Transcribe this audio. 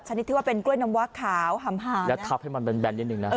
ฉันนี่ที่ว่าเป็นกล้วยน้ำวะขาวหำหาแล้วทับให้มันแบนนิดหนึ่งน่ะ